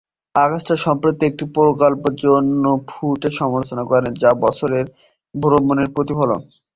ডগস্টার সম্প্রতি একটি প্রকল্পের জন্য ফুটেজ পর্যালোচনা করছে যা তাদের বছরের ভ্রমণের প্রতিফলন।